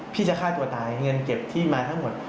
จะฆ่าตัวตายเงินเก็บที่มาทั้งหมด